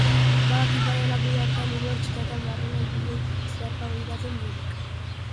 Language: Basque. Badakit badela gure artean unibertsitatean barrena ibiliei zeharka begiratzen dienik